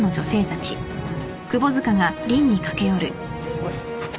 おい。